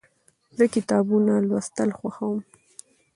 زه کتابونه لوستل خوښوم.